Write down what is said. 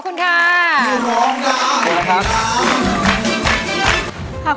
ขอบคุณค่ะ